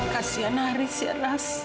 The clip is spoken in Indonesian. kasian haris ya ras